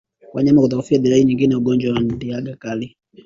Mnyama kudhoofu ni dalili nyingine ya ugonjwa wa ndigana kali